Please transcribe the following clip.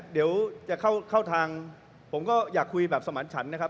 เดี๋ยวจะเข้าทางผมก็อยากคุยแบบสมานฉันนะครับ